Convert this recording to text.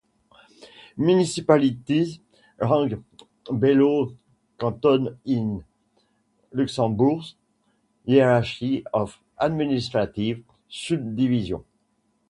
Municipalities rank below cantons in Luxembourg's hierarchy of administrative subdivisions.